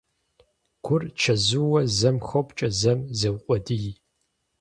Гур чэзууэ зэм хопкӀэ, зэм зеукъуэдий.